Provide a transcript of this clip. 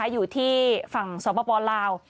อยู่ที่ฝั่งสปลาว